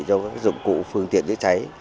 cho các dụng cụ phương tiện chữa cháy